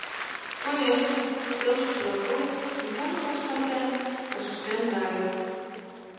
— Конешне! — келшышыла койын, шинчажым пашкартен вашештен Рая.